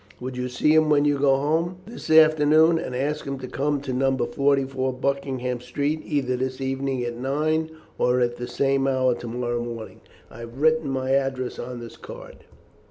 Would you see him when you go home this afternoon, and ask him to come to No. 44 Buckingham Street, either this evening at nine, or at the same hour to morrow morning? I have written my address on this card."